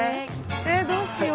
えどうしよう。